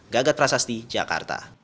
gagat prasasti jakarta